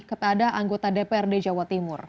kepada anggota dprd jawa timur